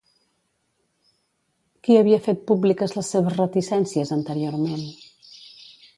Qui havia fet públiques les seves reticències anteriorment?